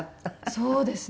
そうですね。